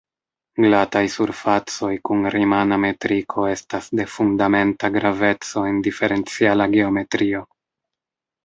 Glataj surfacoj kun rimana metriko estas de fundamenta graveco en diferenciala geometrio.